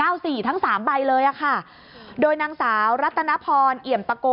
มี๙๔ทั้ง๓ใบเลยค่ะโดยนางสาวรัตนพรเอียมปะโก